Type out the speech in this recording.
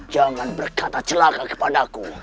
jangan berkata celaka kepada aku